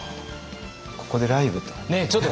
ここでライブとか。